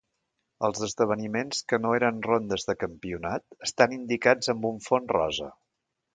Els esdeveniments que no eren rondes de campionat estan indicats amb un fons rosa.